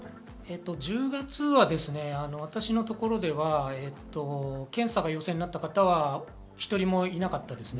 １０月は私のところでは検査が陽性になった方は１人もいなかったです。